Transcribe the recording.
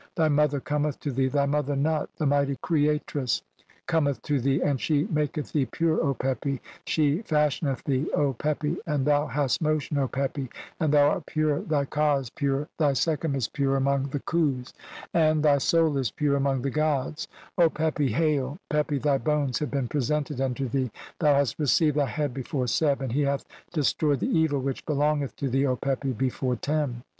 "Thy mother cometh to thee, thy mother Nut, the "mighty creatress, cometh to thee, and she maketh "thee pure, O Pepi. She fashioneth thee, (11 3) O Pepi, "and thou hast motion, O Pepi ; thou art pure, thy "ka is pure, thy sekhem is pure among the Khus, and 1. /. e., the tenth nome of Upper Egypt. CXXXVIII INTRODUCTION. "thy soul is pure among the gods, O Pepi. Hail, (114) "Pepi, thy bones have been presented unto thee, thou "hast received thy head before Seb, and he hath des "troyed the evil which belongeth to thee, O Pepi, be "fore Tem."